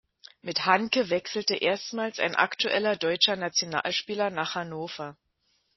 Mit Hanke wechselte erstmals ein aktueller deutscher Nationalspieler nach Hannover.